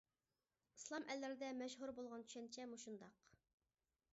ئىسلام ئەللىرىدە مەشھۇر بولغان چۈشەنچە مۇشۇنداق.